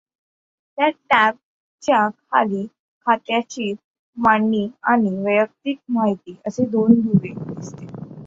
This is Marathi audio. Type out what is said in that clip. त्यात टॅब च्या खाली खात्याची मांडणी आणि वैयक्तिक माहिती असे दोन दुवे दिसतील.